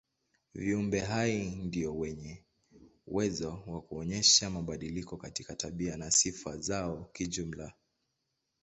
Viumbe hai ndio wenye uwezo wa kuonyesha mabadiliko katika tabia na sifa zao kijumla.